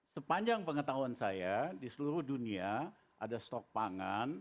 sepanjang pengetahuan saya di seluruh dunia ada stok pangan